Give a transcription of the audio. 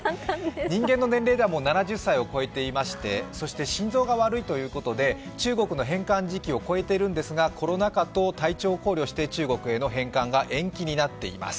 人間の年齢では７０歳を超えていましてそして心臓が悪いということで中国の返還時期を超えているんですが、コロナ禍と体調を考慮して中国への返還が延期になっています。